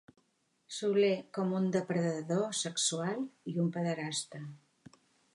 Soler com un depredador sexual i un pederasta.